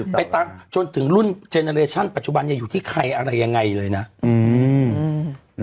ไปตั้งจนถึงรุ่นปัจจุบันอยู่ที่ใครอะไรยังไงเลยน่ะอืม